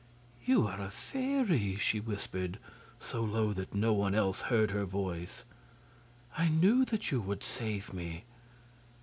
"You are a fairy!" she whispered, so low that no one else heard her voice. "I knew that you would save me."